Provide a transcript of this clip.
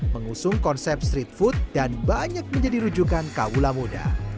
mengusung konsep street food dan banyak menjadi rujukan kaula muda